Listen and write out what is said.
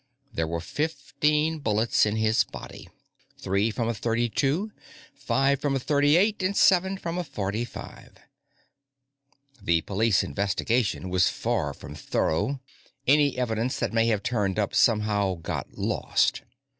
There were fifteen bullets in his body; three from a .32, five from a .38, and seven from a .45. The police investigation was far from thorough; any evidence that may have turned up somehow got lost.